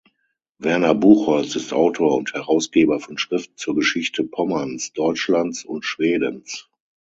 Werner Buchholz ist Autor und Herausgeber von Schriften zur Geschichte Pommerns, Deutschlands und Schwedens.